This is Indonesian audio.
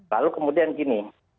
lalu kemudian gini